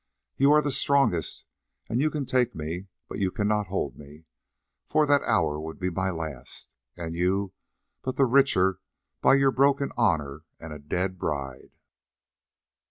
You are the strongest and you can take me, but you cannot hold me, for that hour would be my last, and you but the richer by your broken honour and a dead bride."